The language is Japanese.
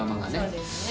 そうですね。